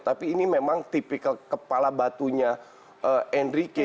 tapi ini memang tipikal kepala batunya enrique